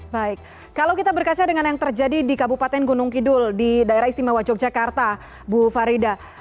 baik kalau kita berkaca dengan yang terjadi di kabupaten gunung kidul di daerah istimewa yogyakarta bu farida